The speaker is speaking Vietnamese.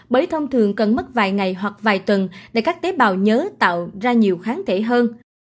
bởi thông thường cần mất vài ngày hoặc vài tuần để các tế bào nhớ tạo ra nhiều kháng thể hơn